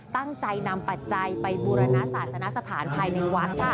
ตั้งใจนำปัจจัยไปบูรณศาสนสถานภายในวัดค่ะ